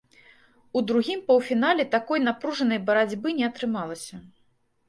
У другім паўфінале такой напружанай барацьбы не атрымалася.